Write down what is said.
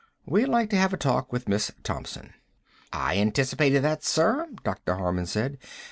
We'd like to have a talk with Miss Thompson." "I anticipated that, sir," Dr. Harman said.